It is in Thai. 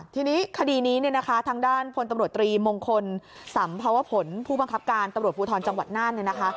ทีนี้คดีนี้ทางด้านพลตำรวจตรีมงคลสัมพวภพภูมิบังคับการตำรวจภูทรจังหวัดน่าน